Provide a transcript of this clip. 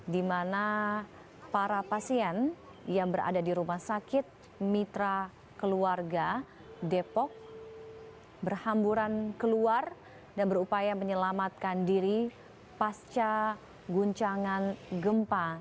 di mana para pasien yang berada di rumah sakit mitra keluarga depok berhamburan keluar dan berupaya menyelamatkan diri pasca guncangan gempa